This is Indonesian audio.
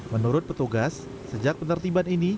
menurut petugas sejak penertiban ini